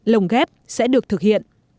lồng ghép sẽ được thực hiện